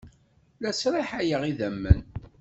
La sraḥayeɣ idammen.